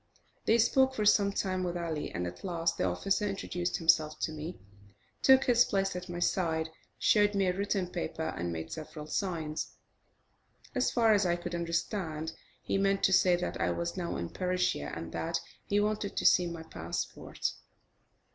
They spoke for some time with Ali, and at last the officer introduced himself to me, took his place at my side, showed me a written paper, and made several signs. As far as I could understand, he meant to say that I was now in Persia, and that he wanted to see my passport.